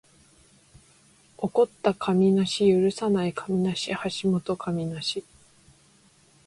起こった神無許さない神無橋本神無